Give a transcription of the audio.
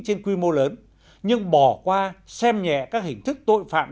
trên quy mô lớn nhưng bỏ qua xem nhẹ các hình thức tội phạm